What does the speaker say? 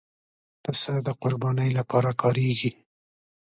پسه د قربانۍ لپاره کارېږي.